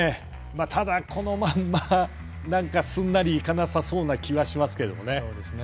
ただ、このまますんなりいかなさそうな気はしますけどもね。